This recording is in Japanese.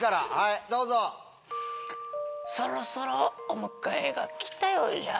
そろそろお迎えが来たようじゃ。